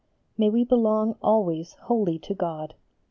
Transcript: May we belong always wholly to God.